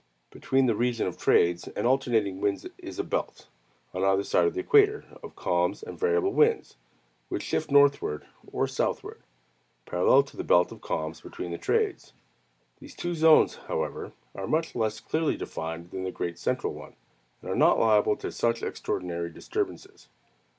Between the region of trades and alternating winds is a belt, on either side of the equator, of calms and variable winds, which shift northward or southward, parallel to the belt of calms between the trades. These two zones, however, are much less clearly defined than the great central one, and are not liable to such extraordinary disturbances.